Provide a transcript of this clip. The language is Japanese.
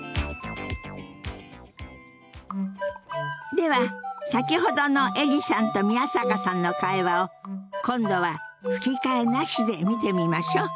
では先ほどのエリさんと宮坂さんの会話を今度は吹き替えなしで見てみましょう。